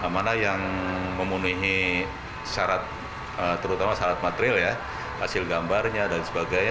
mana yang memenuhi syarat terutama syarat material ya hasil gambarnya dan sebagainya